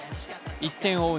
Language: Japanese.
１点を追う